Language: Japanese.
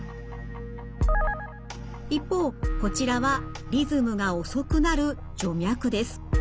一方こちらはリズムが遅くなる徐脈です。